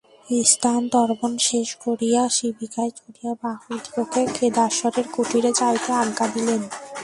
স্নান-তর্পণ শেষ করিয়া শিবিকায় চড়িয়া বাহকদিগকে কেদারেশ্বরের কুটিরে যাইতে আজ্ঞা দিলেন।